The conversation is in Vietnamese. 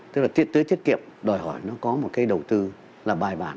tức là tưới tiết kiệm đòi hỏi nó có một cây đầu tư là bài bản